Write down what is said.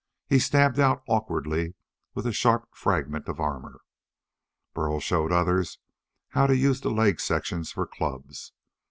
He stabbed out awkwardly with the sharp fragment of armor. Burl showed others how to use the leg sections for clubs.